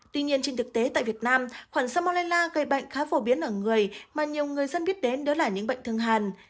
tuy nhiên trên thực tế tại việt nam khuẩn salmonella gây bệnh khá phổ biến ở người mà nhiều người dân biết đến đó là những bệnh thường hàn